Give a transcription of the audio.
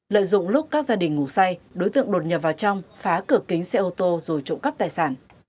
lợi dụng lúc các gia đình ngủ say đối tượng đột nhập vào trong phá cửa kính xe ô tô rồi trộm cắp tài sản